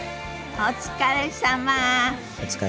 お疲れさま。